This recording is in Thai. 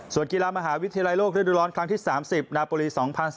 ส่วนกีฬามหาวิทยาลัยโลกฤดูร้อนครั้งที่๓๐นาโปรลี๒๐๑๙